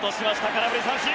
空振り三振！